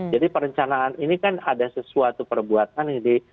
jadi perencanaan ini kan ada sesuatu perbuatan yang dilakukan